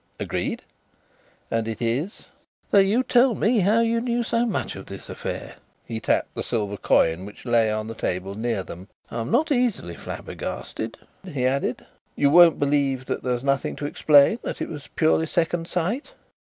"Agreed. And it is?" "That you tell me how you knew so much of this affair." He tapped the silver coin which lay on the table near them. "I am not easily flabbergasted," he added. "You won't believe that there is nothing to explain that it was purely second sight?"